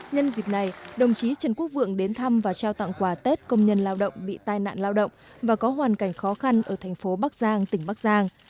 nhân dịp này đồng chí trần quốc vượng đến thăm và trao tặng quà tết công nhân lao động bị tai nạn lao động và có hoàn cảnh khó khăn ở thành phố bắc giang tỉnh bắc giang